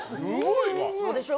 そうでしょ？